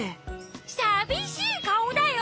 さびしいかおだよ！